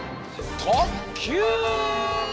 とっきゅう！